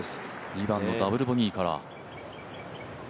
２番のダブルボギーから。